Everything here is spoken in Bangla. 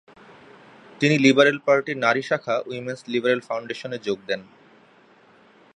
তিনি লিবারেল পার্টির নারী শাখা "উইমেনস লিবারেল ফাউন্ডেশন"-এ যোগ দেন।